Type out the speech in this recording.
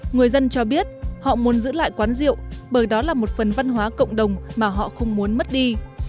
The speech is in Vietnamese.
người dân cho biết họ muốn giữ lại quán rượu bởi đó là một phần văn hóa cộng đồng mà họ không muốn mất đi